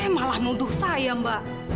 malah nuduh saya mbak